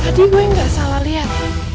tadi gue gak salah lihat